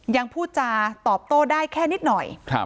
ยังพูดจาตอบโต้ได้แค่นิดหน่อย